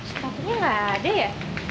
sepatunya gak ada ya